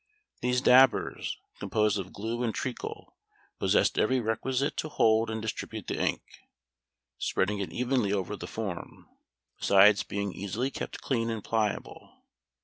These dabbers, composed of glue and treacle, possessed every requisite to hold and distribute the ink, spreading it evenly over the form, besides being easily kept clean and pliable.